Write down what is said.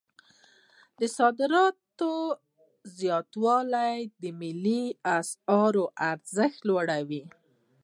د صادراتو زیاتوالی د ملي اسعارو ارزښت لوړوي.